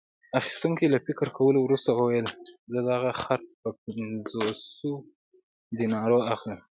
اخیستونکي له فکر کولو وروسته وویل: زه دغه خر په پنځوسو دینارو اخلم.